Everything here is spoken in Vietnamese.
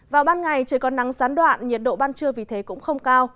vào ban ngày trời còn nắng gián đoạn nhiệt độ ban trưa vì thế cũng không cao